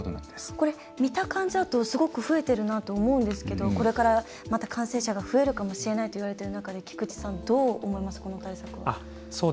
これ、見た感じだとすごく増えてるなと思うんですけどこれから、また感染者が増えるかもしれないといわれている中で、菊池さんどう思います、この対策は。